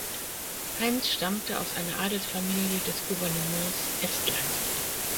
Heins stammte aus einer Adelsfamilie des Gouvernements Estland.